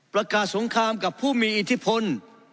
สงครามกับผู้มีอิทธิพล